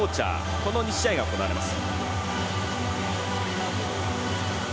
この２試合がこのあと、行われます。